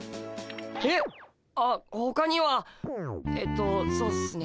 えっ？あほかにはえっとそうっすね